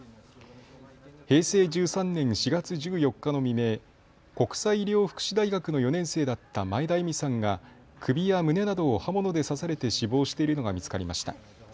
平成１３年４月１４日の未明、国際医療福祉大学の４年生だった前田笑さんが首や胸などを刃物で刺されて死亡しているのが見つかりました。